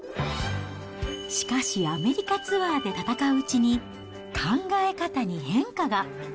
しかし、アメリカツアーで戦ううちに、考え方に変化が。